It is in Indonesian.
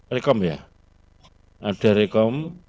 rekom ya ada rekom